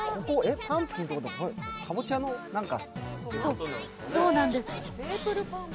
パンプキンってことは、かぼちゃの何か？